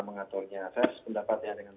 mengaturnya saya sependapat ya dengan